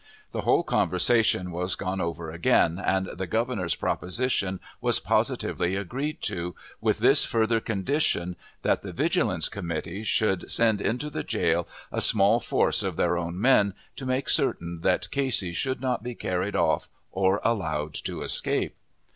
The whole conversation was gone over again, and the Governor's proposition was positively agreed to, with this further condition, that the Vigilance Committee should send into the jail a small force of their own men, to make certain that Casey should not be carried off or allowed to escape.